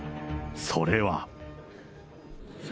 それは。